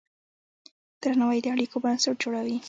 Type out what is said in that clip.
درناوی د اړیکو بنسټ جوړوي.